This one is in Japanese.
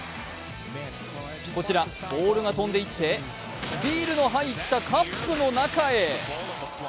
こちら、ボールが飛んでいって、ビールの入ったカップの中へ。